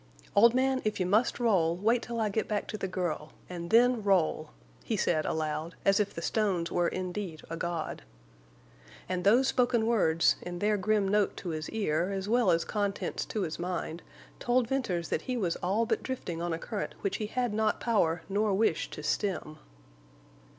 "Old man, if you must roll, wait till I get back to the girl, and then roll!" he said, aloud, as if the stones were indeed a god. And those spoken words, in their grim note to his ear, as well as contents to his mind, told Venters that he was all but drifting on a current which he had not power nor wish to stem.